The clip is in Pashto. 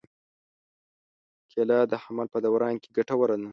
کېله د حمل په دوران کې ګټوره ده.